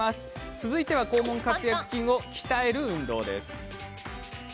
続いては肛門括約筋を鍛える運動です。